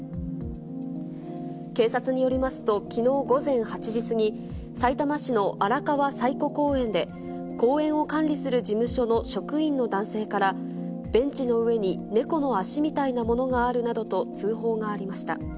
警察によりますと、きのう午前８時過ぎ、さいたま市の荒川彩湖公園で、公園を管理する事務所の職員の男性から、ベンチの上に猫の足みたいなものがあるなどと通報がありました。